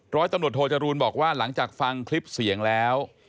ร้อยตำรวจโทจรูลบอกว่าหลังจากฟังคลิปเสียงแล้ว